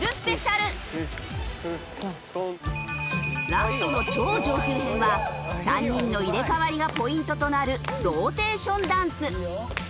ラストの超上級編は３人の入れ替わりがポイントとなるローテーションダンス。